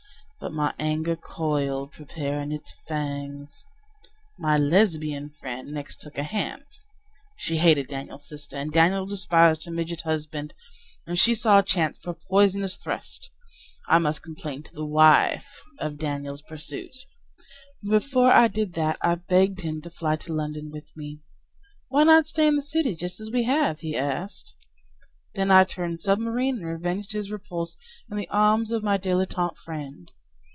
But my anger coiled, preparing its fangs. My Lesbian friend next took a hand. She hated Daniel's sister. And Daniel despised her midget husband. And she saw a chance for a poisonous thrust: I must complain to the wife of Daniel's pursuit! But before I did that I begged him to fly to London with me. "Why not stay in the city just as we have?" he asked. Then I turned submarine and revenged his repulse In the arms of my dilettante friend.